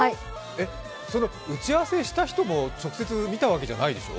打ち合わせした人も直接見たわけじゃないでしょう？